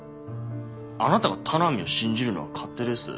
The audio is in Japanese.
あなたが田波を信じるのは勝手です。